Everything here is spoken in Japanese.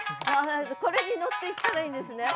これに乗っていったらいいんですね。